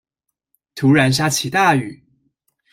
突然下起大雨